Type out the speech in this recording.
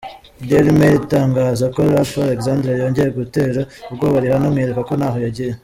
Daily Mail itangaza ko, Ralph Alexander yongeye gutera ubwoba Rihanna amwereka ko ntaho yagiye.